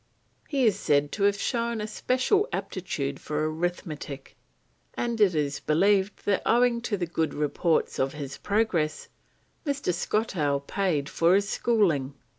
He is said to have shown a special aptitude for arithmetic, and it is believed that owing to the good reports of his progress, Mr. Skottowe paid for his schooling.